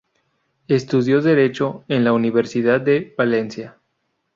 Estudió Derecho en la Universidad de Valencia.